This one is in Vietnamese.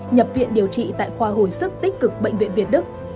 nhập viện điều trị tại khoa hồi sức tích cực bệnh viện việt đức